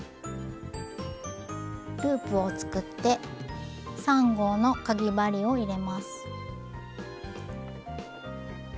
ループを作って３号のかぎ針を入れます。